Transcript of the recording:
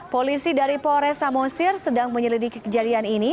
polisi dari polres samosir sedang menyelidiki kejadian ini